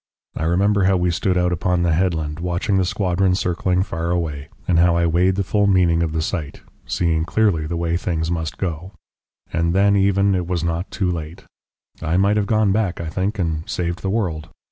I remember how we stood out upon the headland watching the squadron circling far away, and how I weighed the full meaning of the sight, seeing clearly the way things must go. And then even it was not too late. I might have gone back, I think, and saved the world.